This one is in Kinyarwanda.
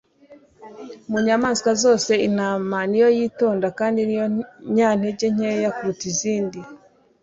Mu nyamaswa zose, intama ni yo yitonda kandi ni yo nyantege nkeya kuruta izindi;